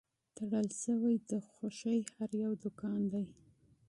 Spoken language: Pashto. تړل شوی د خوښۍ هر یو دوکان دی